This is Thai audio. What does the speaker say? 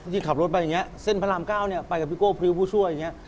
จริงขับรถไปอย่างนี้เส้นพระราม๙ไปกับพี่โก้พริวผู้ช่วย